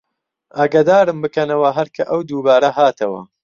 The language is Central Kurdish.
ئاگەدارم بکەنەوە هەر کە ئەو دووبارە هاتەوە